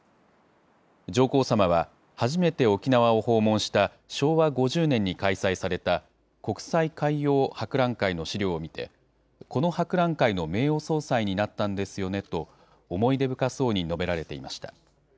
上皇さまは、初めて沖縄を訪問した昭和５０年に開催された、国際海洋博覧会の資料を見て、この博覧会の名誉総裁になったんですよねと、思い出深そうに述べられていました。